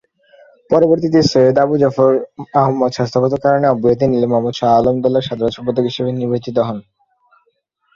পরবর্তীতে সৈয়দ আবু জাফর আহমদ স্বাস্থ্যগত কারণে অব্যাহতি নিলে মোহাম্মদ শাহ আলম দলের সাধারণ সম্পাদক হিসেবে নির্বাচিত হন।